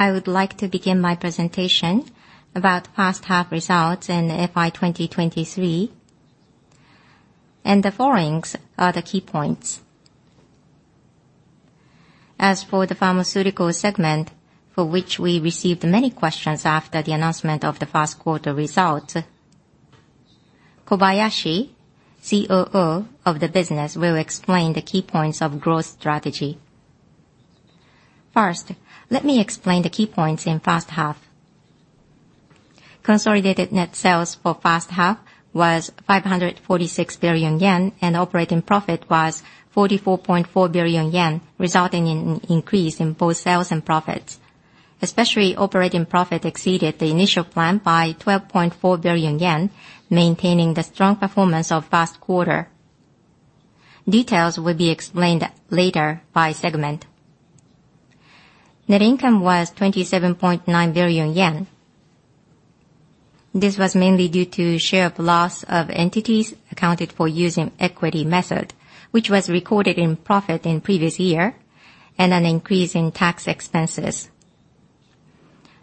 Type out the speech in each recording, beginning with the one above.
I would like to begin my presentation about first half results in FY 2023, and the following are the key points. As for the Pharmaceutical segment, for which we received many questions after the announcement of the first quarter results, Kobayashi, COO of the business, will explain the key points of growth strategy. First, let me explain the key points in first half. Consolidated net sales for first half was 546 billion yen, and operating profit was 44.4 billion yen, resulting in an increase in both sales and profits. Especially, operating profit exceeded the initial plan by 12.4 billion yen, maintaining the strong performance of first quarter. Details will be explained later by segment. Net income was 27.9 billion yen. This was mainly due to share of loss of entities accounted for using equity method, which was recorded in profit in previous year, and an increase in tax expenses.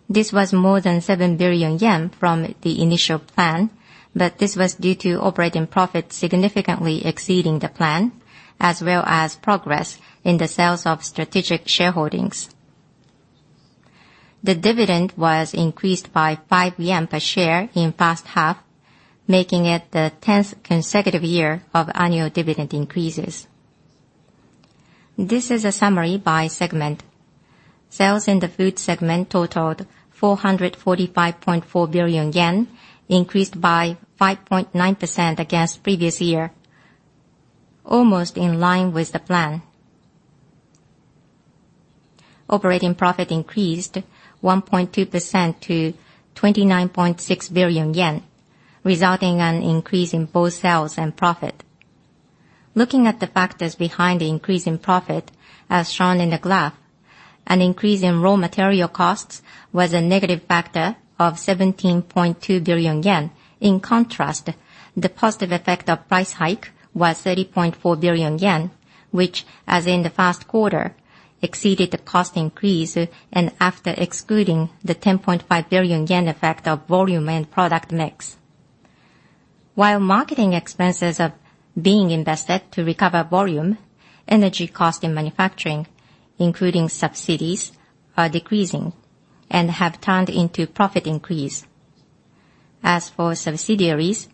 This was more than 7 billion yen from the initial plan, but this was due to operating profit significantly exceeding the plan, as well as progress in the sales of strategic shareholdings. The dividend was increased by 5 yen per share in first half, making it the 10th consecutive year of annual dividend increases. This is a summary by segment. Sales in the Food segment totaled 445.4 billion yen, increased by 5.9% against previous year, almost in line with the plan. Operating profit increased 1.2% to 29.6 billion yen, resulting in an increase in both sales and profit. Looking at the factors behind the increase in profit, as shown in the graph, an increase in raw material costs was a negative factor of 17.2 billion yen. In contrast, the positive effect of price hike was 30.4 billion yen, which, as in the first quarter, exceeded the cost increase, and after excluding the 10.5 billion yen effect of volume and product mix. While marketing expenses are being invested to recover volume, energy cost in manufacturing, including subsidies, are decreasing and have turned into profit increase. As for subsidiaries,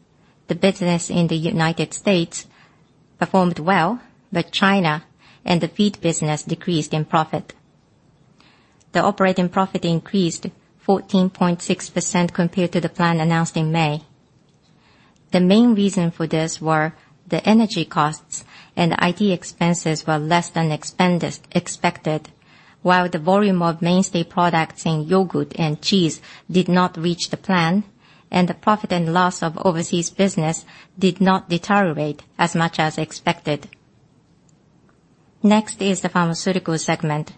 the business in the United States performed well, but China and the feed business decreased in profit. The operating profit increased 14.6% compared to the plan announced in May. The main reason for this were the energy costs and IT expenses were less than expected, while the volume of mainstay products in yogurt and cheese did not reach the plan, and the profit and loss of overseas business did not deteriorate as much as expected. Next is the Pharmaceutical segment.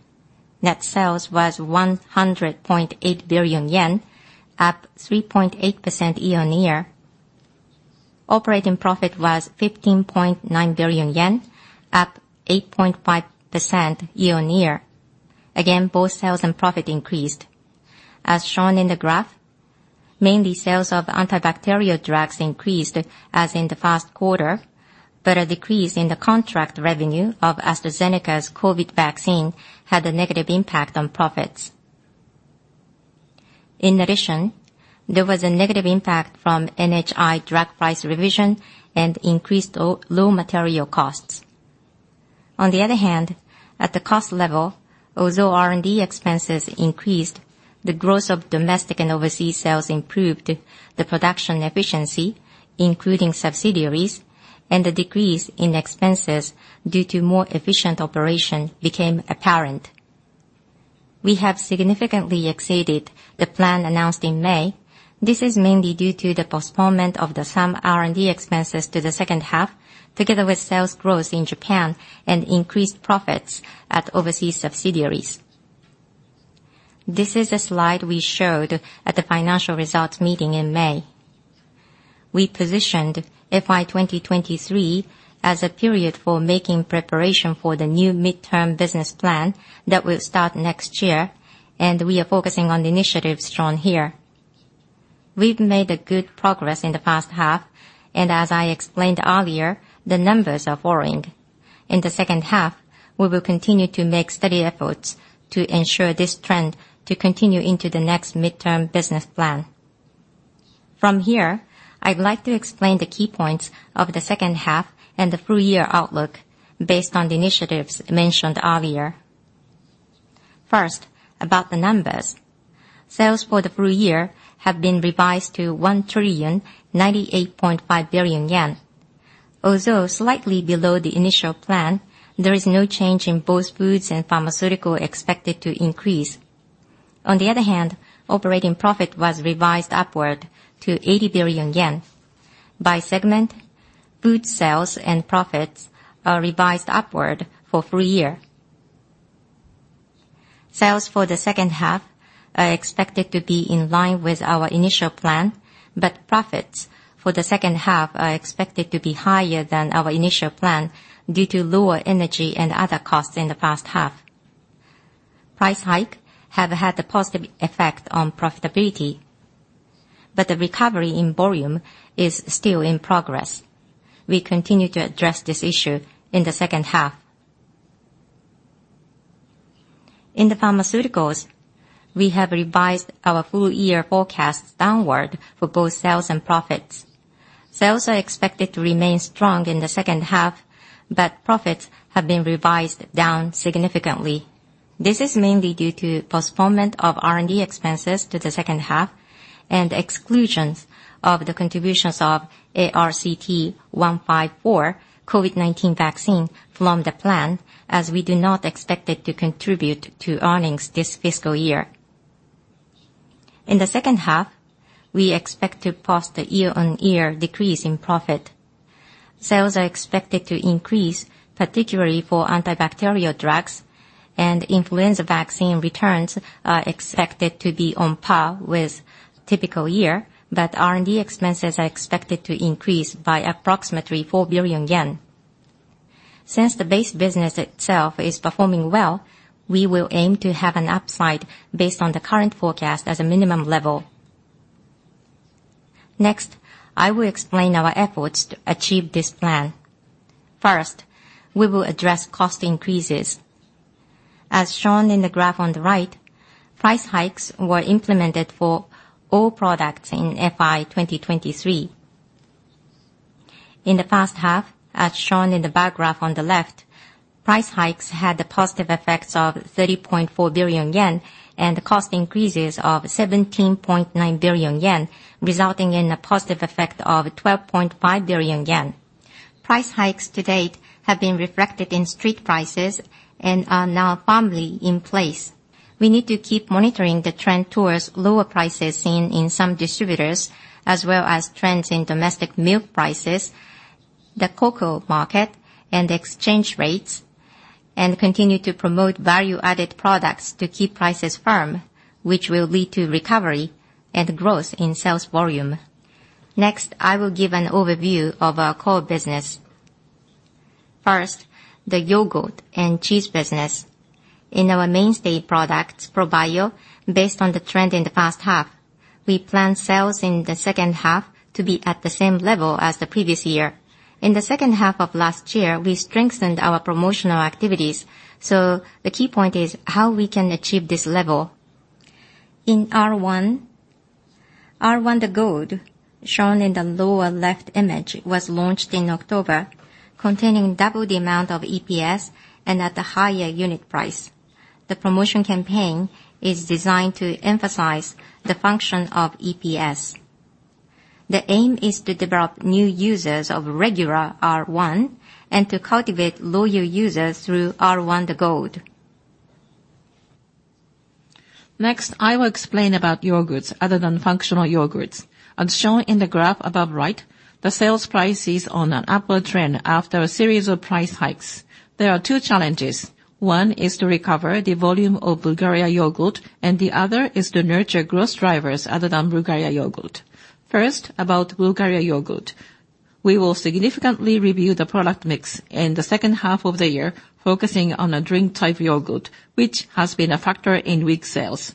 Net sales was 100.8 billion yen, up 3.8% year-on-year. Operating profit was 15.9 billion yen, up 8.5% year-on-year. Again, both sales and profit increased. As shown in the graph, mainly sales of antibacterial drugs increased as in the first quarter, but a decrease in the contract revenue of AstraZeneca's COVID vaccine had a negative impact on profits. In addition, there was a negative impact from NHI drug price revision and increased raw material costs. On the other hand, at the cost level, although R&D expenses increased, the growth of domestic and overseas sales improved the production efficiency, including subsidiaries, and the decrease in expenses due to more efficient operation became apparent. We have significantly exceeded the plan announced in May. This is mainly due to the postponement of some R&D expenses to the second half, together with sales growth in Japan and increased profits at overseas subsidiaries. This is a slide we showed at the financial results meeting in May. We positioned FY 2023 as a period for making preparation for the new midterm business plan that will start next year, and we are focusing on the initiatives shown here. We've made a good progress in the first half, and as I explained earlier, the numbers are following. In the second half, we will continue to make steady efforts to ensure this trend to continue into the next midterm business plan. From here, I'd like to explain the key points of the second half and the full year outlook based on the initiatives mentioned earlier. First, about the numbers. Sales for the full year have been revised to 1,098,500,000,000 billion yen. Although slightly below the initial plan, there is no change in both Foods and Pharmaceutical expected to increase. On the other hand, operating profit was revised upward to 80 billion yen. By segment, Food sales and profits are revised upward for full year. Sales for the second half are expected to be in line with our initial plan, but profits for the second half are expected to be higher than our initial plan due to lower energy and other costs in the first half. Price hike have had a positive effect on profitability, but the recovery in volume is still in progress. We continue to address this issue in the second half. In the Pharmaceuticals, we have revised our full year forecast downward for both sales and profits. Sales are expected to remain strong in the second half, but profits have been revised down significantly. This is mainly due to postponement of R&D expenses to the second half, and exclusions of the contributions of ARCT-154 COVID-19 vaccine from the plan, as we do not expect it to contribute to earnings this fiscal year. In the second half, we expect to post a year-on-year decrease in profit. Sales are expected to increase, particularly for antibacterial drugs, and influenza vaccine returns are expected to be on par with typical year, but R&D expenses are expected to increase by approximately 4 billion yen. Since the base business itself is performing well, we will aim to have an upside based on the current forecast as a minimum level. Next, I will explain our efforts to achieve this plan. First, we will address cost increases. As shown in the graph on the right, price hikes were implemented for all products in FY 2023. In the first half, as shown in the bar graph on the left, price hikes had the positive effects of 30.4 billion yen, and the cost increases of 17.9 billion yen, resulting in a positive effect of 12.5 billion yen. Price hikes to date have been reflected in street prices and are now firmly in place. We need to keep monitoring the trend towards lower prices seen in some distributors, as well as trends in domestic milk prices, the cocoa market, and exchange rates, and continue to promote value-added products to keep prices firm, which will lead to recovery and growth in sales volume. Next, I will give an overview of our core business. First, the yogurt and cheese business. In our mainstay products, Probio, based on the trend in the first half, we plan sales in the second half to be at the same level as the previous year. In the second half of last year, we strengthened our promotional activities, so the key point is how we can achieve this level. In R-1, R-1 The GOLD, shown in the lower left image, was launched in October, containing double the amount of EPS and at a higher unit price. The promotion campaign is designed to emphasize the function of EPS. The aim is to develop new users of regular R-1 and to cultivate loyal users through R-1 The GOLD. Next, I will explain about yogurts other than functional yogurts. As shown in the graph above right, the sales price is on an upward trend after a series of price hikes. There are two challenges. One is to recover the volume of Bulgaria Yogurt, and the other is to nurture growth drivers other than Bulgaria Yogurt. First, about Bulgaria Yogurt. We will significantly review the product mix in the second half of the year, focusing on a drink-type yogurt, which has been a factor in weak sales.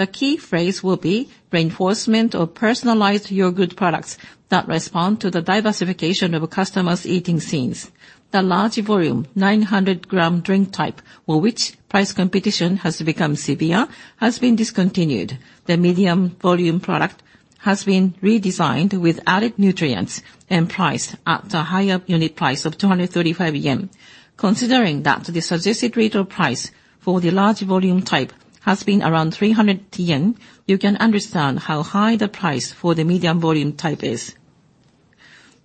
The key phrase will be reinforcement of personalized yogurt products that respond to the diversification of a customer's eating scenes. The large volume, 900 g drink type, for which price competition has become severe, has been discontinued. The medium volume product has been redesigned with added nutrients and priced at a higher unit price of 235 yen. Considering that the suggested retail price for the large volume type has been around 300 yen, you can understand how high the price for the medium volume type is.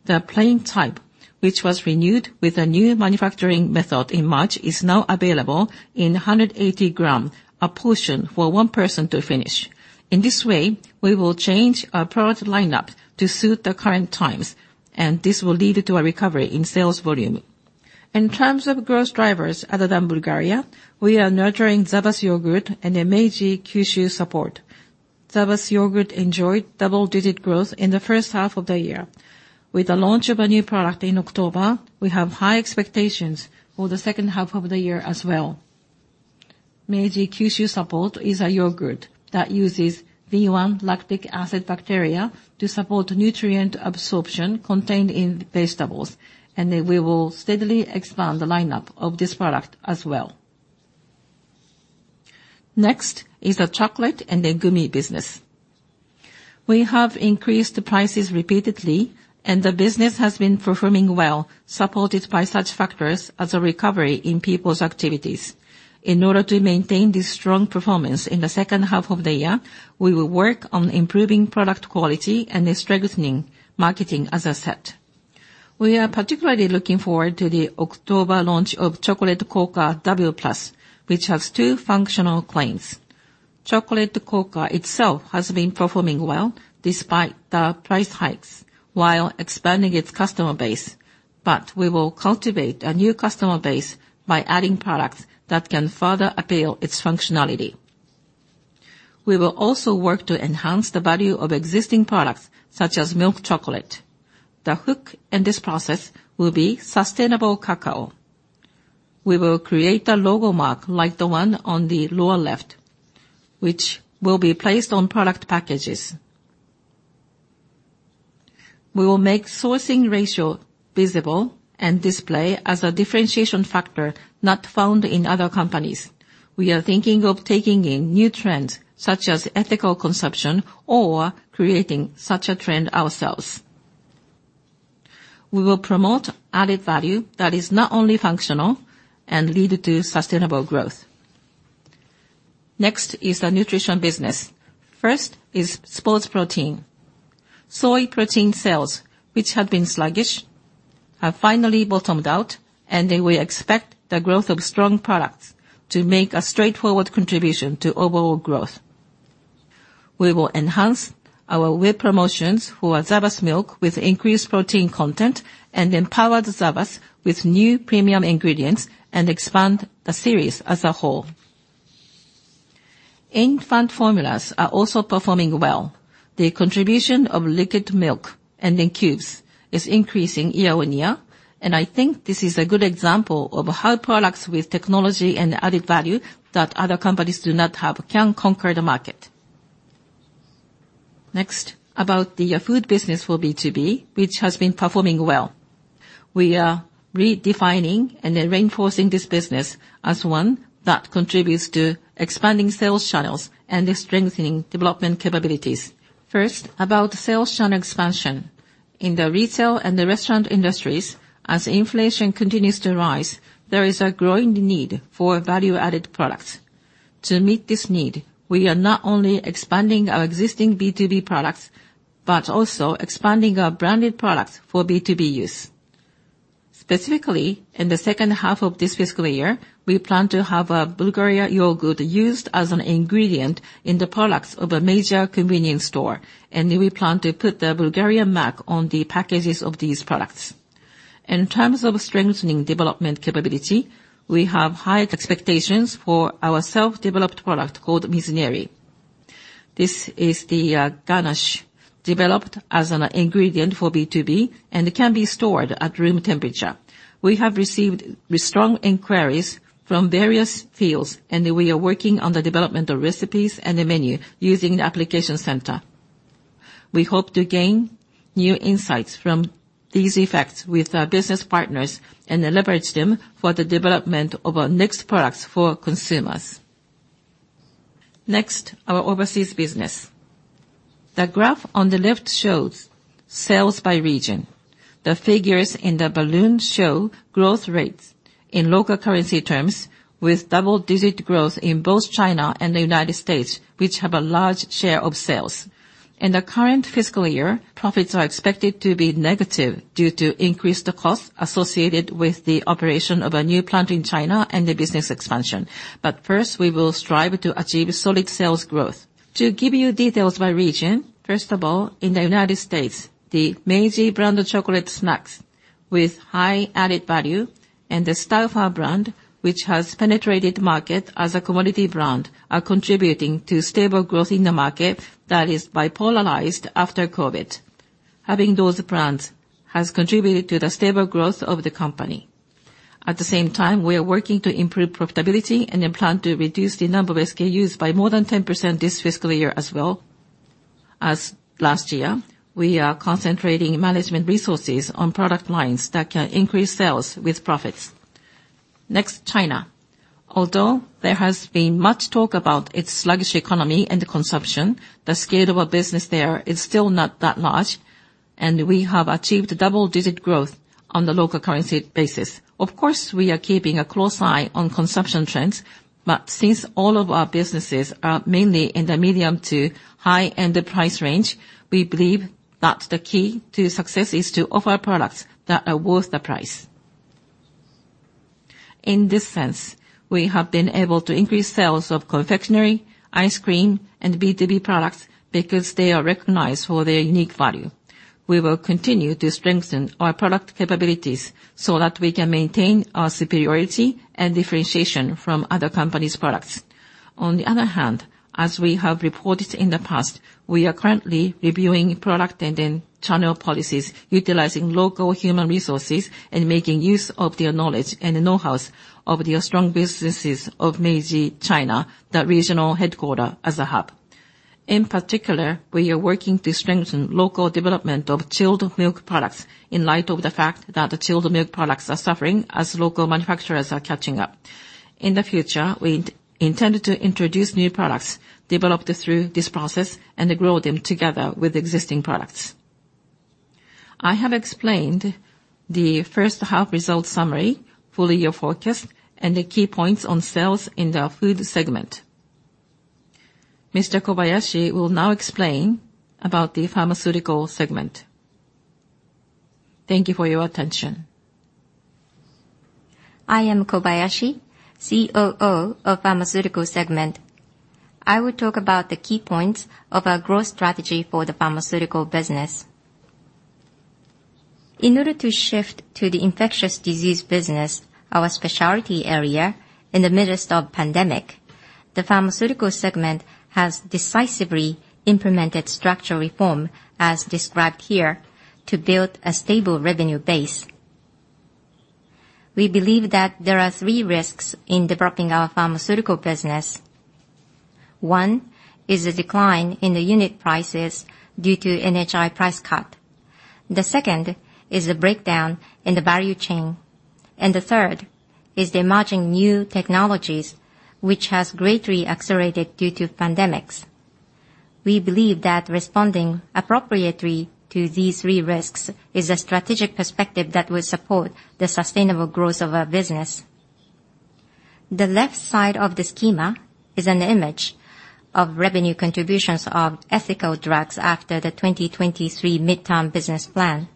The plain type, which was renewed with a new manufacturing method in March, is now available in 180 g, a portion for one person to finish. In this way, we will change our product lineup to suit the current times, and this will lead to a recovery in sales volume. In terms of growth drivers other than Bulgaria, we are nurturing SAVAS Yogurt and Meiji Kyushu Support. SAVAS Yogurt enjoyed double-digit growth in the first half of the year. With the launch of a new product in October, we have high expectations for the second half of the year as well. Meiji Kyushu Support is a yogurt that uses V1 lactic acid bacteria to support nutrient absorption contained in vegetables, and then we will steadily expand the lineup of this product as well. Next is the chocolate and the gummy business. We have increased the prices repeatedly, and the business has been performing well, supported by such factors as a recovery in people's activities. In order to maintain this strong performance in the second half of the year, we will work on improving product quality and strengthening marketing as a set. We are particularly looking forward to the October launch of Chocolate Kouka W Plus, which has two functional claims. Chocolate Kouka itself has been performing well despite the price hikes while expanding its customer base, but we will cultivate a new customer base by adding products that can further appeal its functionality. We will also work to enhance the value of existing products, such as milk chocolate. The hook in this process will be sustainable cacao. We will create a logo mark, like the one on the lower left, which will be placed on product packages. We will make sourcing ratio visible and display as a differentiation factor not found in other companies. We are thinking of taking in new trends, such as ethical consumption, or creating such a trend ourselves. We will promote added value that is not only functional and lead to sustainable growth. Next is the nutrition business. First is sports protein. Soy protein sales, which had been sluggish, have finally bottomed out, and then we expect the growth of strong products to make a straightforward contribution to overall growth. We will enhance our whip promotions for SAVAS milk with increased protein content, and empower SAVAS with new premium ingredients, and expand the series as a whole. Infant formulas are also performing well. The contribution of liquid milk and in cubes is increasing year-on-year, and I think this is a good example of how products with technology and added value that other companies do not have, can conquer the market. Next, about the food business for B2B, which has been performing well. We are redefining and then reinforcing this business as one that contributes to expanding sales channels and strengthening development capabilities. First, about sales channel expansion. In the retail and the restaurant industries, as inflation continues to rise, there is a growing need for value-added products. To meet this need, we are not only expanding our existing B2B products, but also expanding our branded products for B2B use. Specifically, in the second half of this fiscal year, we plan to have a Bulgaria Yogurt used as an ingredient in the products of a major convenience store, and we plan to put the Bulgarian mark on the packages of these products. In terms of strengthening development capability, we have high expectations for our self-developed product called Mizuneri. This is the, ganache developed as an ingredient for B2B, and it can be stored at room temperature. We have received strong inquiries from various fields, and we are working on the development of recipes and the menu using the application center. We hope to gain new insights from these effects with our business partners and leverage them for the development of our next products for consumers. Next, our overseas business. The graph on the left shows sales by region. The figures in the balloon show growth rates in local currency terms, with double-digit growth in both China and the United States, which have a large share of sales. In the current fiscal year, profits are expected to be negative due to increased costs associated with the operation of a new plant in China and the business expansion. But first, we will strive to achieve solid sales growth. To give you details by region, first of all, in the United States, the Meiji brand of chocolate snacks with high added value and the Stauffer brand, which has penetrated the market as a commodity brand, are contributing to stable growth in the market that is bipolarized after COVID. Having those brands has contributed to the stable growth of the company. At the same time, we are working to improve profitability and then plan to reduce the number of SKUs by more than 10% this fiscal year as well. As last year, we are concentrating management resources on product lines that can increase sales with profits. Next, China. Although there has been much talk about its sluggish economy and the consumption, the scale of our business there is still not that large, and we have achieved double-digit growth on the local currency basis. Of course, we are keeping a close eye on consumption trends, but since all of our businesses are mainly in the medium to high-end price range, we believe that the key to success is to offer products that are worth the price. In this sense, we have been able to increase sales of confectionery, ice cream, and B2B products because they are recognized for their unique value. We will continue to strengthen our product capabilities so that we can maintain our superiority and differentiation from other companies' products. On the other hand, as we have reported in the past, we are currently reviewing product and then channel policies, utilizing local human resources and making use of their knowledge and the know-hows of the strong businesses of Meiji China, the regional headquarters, as a hub. In particular, we are working to strengthen local development of chilled milk products in light of the fact that the chilled milk products are suffering as local manufacturers are catching up. In the future, we intend to introduce new products developed through this process and grow them together with existing products. I have explained the first half result summary, full year forecast, and the key points on sales in the Food segment. Mr. Kobayashi will now explain about the Pharmaceutical segment. Thank you for your attention. I am Kobayashi, COO of Pharmaceutical segment. I will talk about the key points of our growth strategy for the pharmaceutical business. In order to shift to the infectious disease business, our specialty area, in the midst of pandemic, the Pharmaceutical segment has decisively implemented structural reform, as described here, to build a stable revenue base. We believe that there are three risks in developing our pharmaceutical business. One is a decline in the unit prices due to NHI price cut. The second is a breakdown in the value chain. And the third is the emerging new technologies, which has greatly accelerated due to pandemics. We believe that responding appropriately to these three risks is a strategic perspective that will support the sustainable growth of our business. The left side of the schema is an image of revenue contributions of ethical drugs after the 2023 midterm business plan.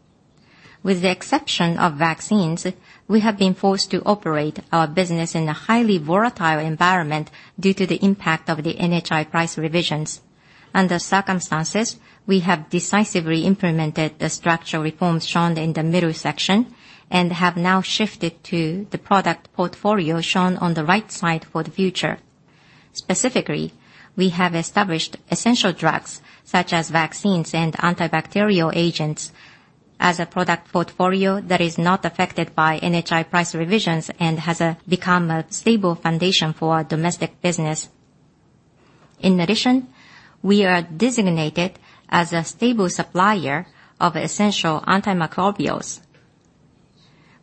With the exception of vaccines, we have been forced to operate our business in a highly volatile environment due to the impact of the NHI price revisions. Under circumstances, we have decisively implemented the structural reforms shown in the middle section, and have now shifted to the product portfolio shown on the right side for the future. Specifically, we have established essential drugs, such as vaccines and antibacterial agents, as a product portfolio that is not affected by NHI price revisions, and has become a stable foundation for our domestic business. In addition, we are designated as a stable supplier of essential antimicrobials.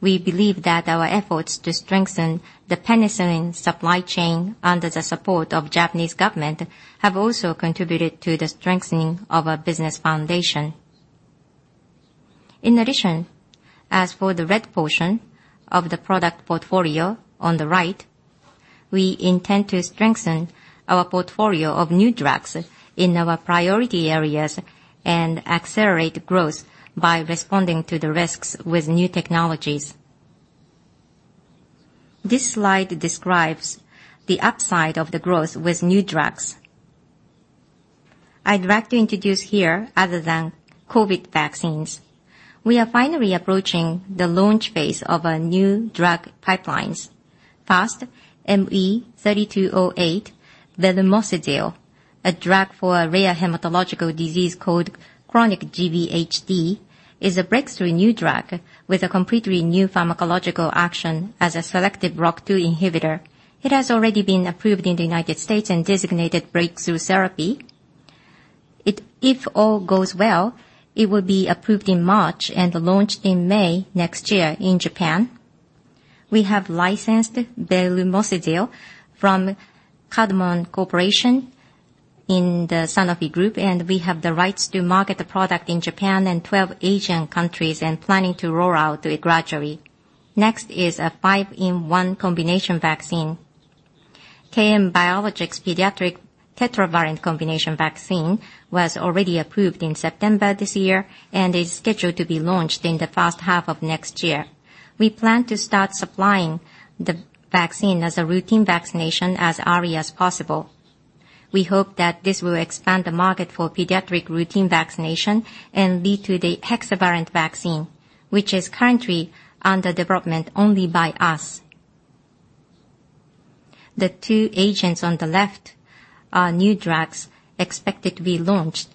We believe that our efforts to strengthen the penicillin supply chain under the support of Japanese government, have also contributed to the strengthening of our business foundation. In addition, as for the red portion of the product portfolio on the right, we intend to strengthen our portfolio of new drugs in our priority areas, and accelerate growth by responding to the risks with new technologies. This slide describes the upside of the growth with new drugs. I'd like to introduce here, other than COVID vaccines. We are finally approaching the launch phase of our new drug pipelines. First, ME3208, belumosudil, a drug for a rare hematological disease called chronic GVHD, is a breakthrough new drug with a completely new pharmacological action as a selective ROCK2 inhibitor. It has already been approved in the United States and designated breakthrough therapy. If all goes well, it will be approved in March and launched in May next year in Japan. We have licensed belumosudil from Kadmon Corporation in the Sanofi group, and we have the rights to market the product in Japan and 12 Asian countries, and planning to roll out it gradually. Next is a 5-in-1 combination vaccine. KM Biologics pediatric tetravalent combination vaccine was already approved in September this year, and is scheduled to be launched in the first half of next year. We plan to start supplying the vaccine as a routine vaccination as early as possible. We hope that this will expand the market for pediatric routine vaccination and lead to the hexavalent vaccine, which is currently under development only by us. The two agents on the left are new drugs expected to be launched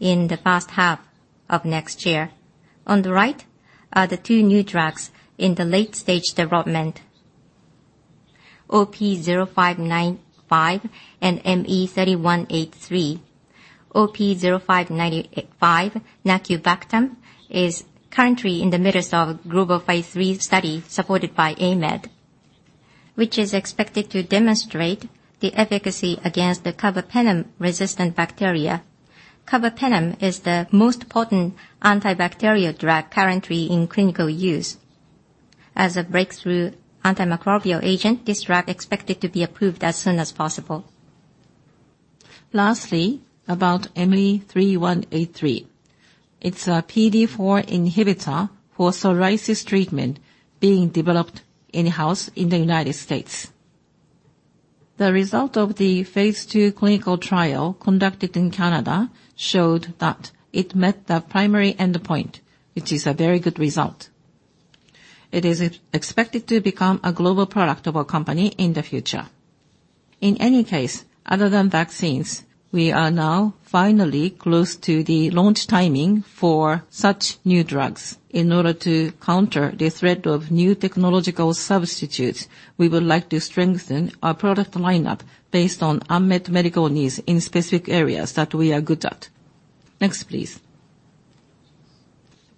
in the first half of next year. On the right are the two new drugs in the late stage development, OP0595 and ME3183. OP0595, nacubactam, is currently in the midst of global phase III study, supported by AMED, which is expected to demonstrate the efficacy against the carbapenem-resistant bacteria. Carbapenem is the most potent antibacterial drug currently in clinical use. As a breakthrough antimicrobial agent, this drug expected to be approved as soon as possible. Lastly, about ME3183. It's a PDE4 inhibitor for psoriasis treatment being developed in-house in the United States. The result of the phase II clinical trial conducted in Canada showed that it met the primary endpoint, which is a very good result. It is expected to become a global product of our company in the future. In any case, other than vaccines, we are now finally close to the launch timing for such new drugs. In order to counter the threat of new technological substitutes, we would like to strengthen our product lineup based on unmet medical needs in specific areas that we are good at. Next, please.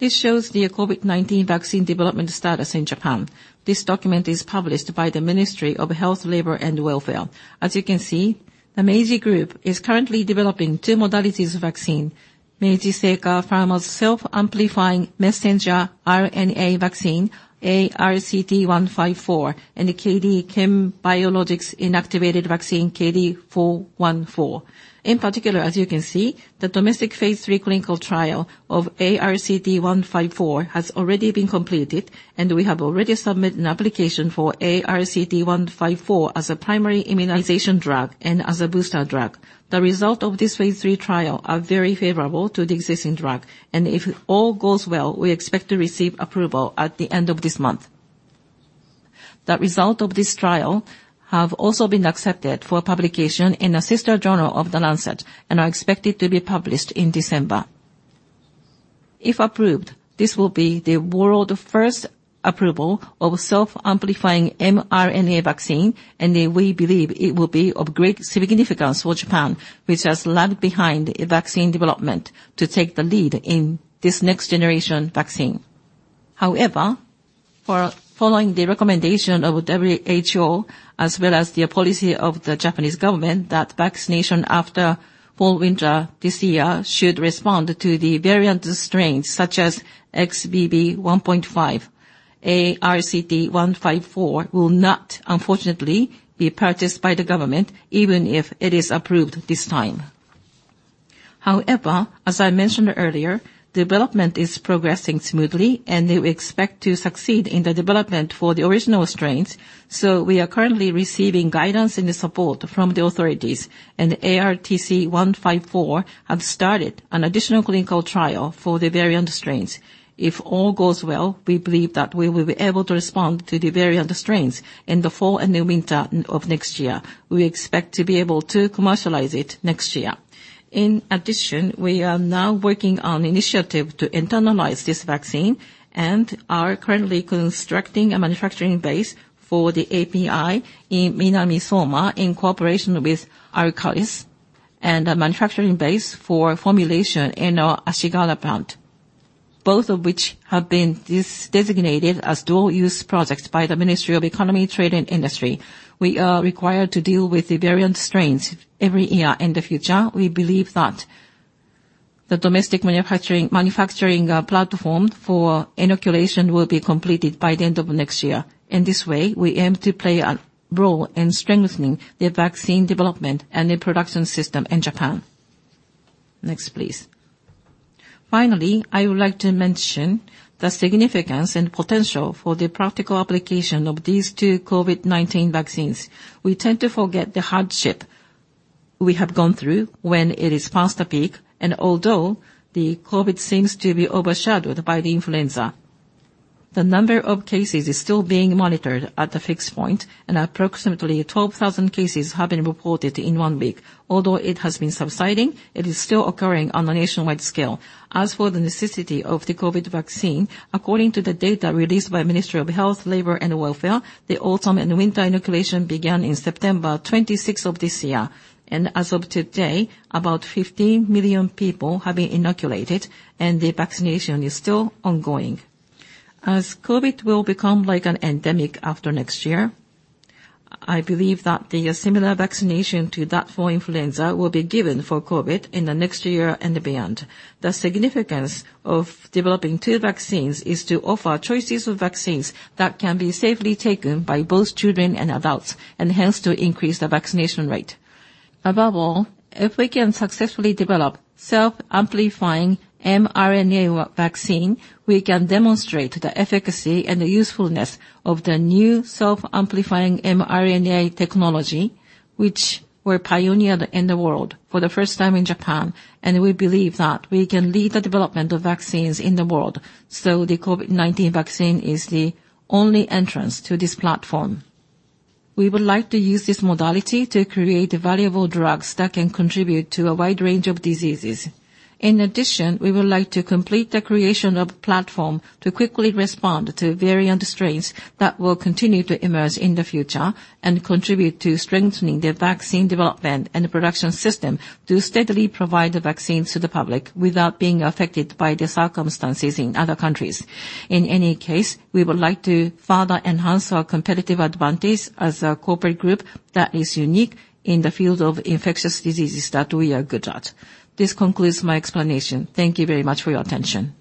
This shows the COVID-19 vaccine development status in Japan. This document is published by the Ministry of Health, Labour and Welfare. As you can see, the Meiji Group is currently developing two modalities of vaccine. Meiji Seika Pharma's self-amplifying messenger RNA vaccine, ARCT-154, and the KM Biologics inactivated vaccine, KD-414. In particular, as you can see, the domestic phase III clinical trial of ARCT-154 has already been completed, and we have already submitted an application for ARCT-154 as a primary immunization drug and as a booster drug. The result of this phase III trial are very favorable to the existing drug, and if all goes well, we expect to receive approval at the end of this month. The result of this trial have also been accepted for publication in a sister journal of The Lancet, and are expected to be published in December. If approved, this will be the world first approval of self-amplifying mRNA vaccine, and we believe it will be of great significance for Japan, which has lagged behind vaccine development, to take the lead in this next generation vaccine. However, for following the recommendation of WHO, as well as the policy of the Japanese government, that vaccination after fall, winter this year should respond to the variant strains, such as XBB.1.5. ARCT-154 will not, unfortunately, be purchased by the government even if it is approved this time. However, as I mentioned earlier, development is progressing smoothly, and we expect to succeed in the development for the original strains. So we are currently receiving guidance and support from the authorities, and ARCT-154 have started an additional clinical trial for the variant strains. If all goes well, we believe that we will be able to respond to the variant strains in the fall and the winter of next year. We expect to be able to commercialize it next year. In addition, we are now working on initiative to internalize this vaccine, and are currently constructing a manufacturing base for the API in Minamisoma, in cooperation with ARCALIS, and a manufacturing base for formulation in our Ashigara plant, both of which have been designated as dual-use projects by the Ministry of Economy, Trade and Industry. We are required to deal with the variant strains every year in the future. We believe that the domestic manufacturing platform for inoculation will be completed by the end of next year. In this way, we aim to play a role in strengthening the vaccine development and the production system in Japan. Next, please. Finally, I would like to mention the significance and potential for the practical application of these two COVID-19 vaccines. We tend to forget the hardship we have gone through when it is past the peak, and although the COVID seems to be overshadowed by the influenza, the number of cases is still being monitored at the fixed point, and approximately 12,000 cases have been reported in one week. Although it has been subsiding, it is still occurring on a nationwide scale. As for the necessity of the COVID vaccine, according to the data released by Ministry of Health, Labour and Welfare, the autumn and winter inoculation began in September 26th of this year, and as of today, about 15 million people have been inoculated, and the vaccination is still ongoing. As COVID will become like an endemic after next year, I believe that the similar vaccination to that for influenza will be given for COVID in the next year and beyond. The significance of developing two vaccines is to offer choices of vaccines that can be safely taken by both children and adults, and hence, to increase the vaccination rate. Above all, if we can successfully develop self-amplifying mRNA vaccine, we can demonstrate the efficacy and the usefulness of the new self-amplifying mRNA technology, which were pioneered in the world for the first time in Japan, and we believe that we can lead the development of vaccines in the world. So the COVID-19 vaccine is the only entrance to this platform. We would like to use this modality to create valuable drugs that can contribute to a wide range of diseases. In addition, we would like to complete the creation of platform to quickly respond to variant strains that will continue to emerge in the future, and contribute to strengthening the vaccine development and production system, to steadily provide the vaccines to the public without being affected by the circumstances in other countries. In any case, we would like to further enhance our competitive advantage as a corporate group that is unique in the field of infectious diseases that we are good at. This concludes my explanation. Thank you very much for your attention.